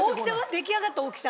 出来上がった大きさ。